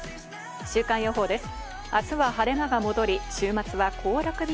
週間予報です。